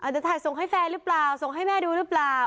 จะถ่ายส่งให้แฟนหรือปล่าวไหม้ดูหรือปล่าว